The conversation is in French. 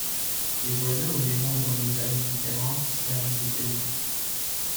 Des voisins ou des membres d'une famille différente servent de témoins.